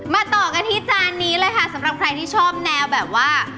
ต่อกันที่จานนี้เลยค่ะสำหรับใครที่ชอบแนวแบบว่า